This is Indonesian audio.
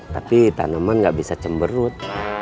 tapi tanaman gak bisa cemberut